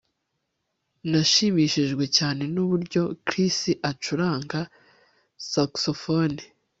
Nashimishijwe cyane nuburyo Chris acuranga saxofone